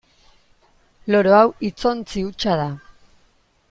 Loro hau hitzontzi hutsa da.